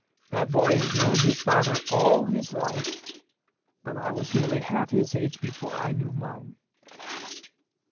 That boy has known his father all his life; but I was nearly half his age before I knew mine."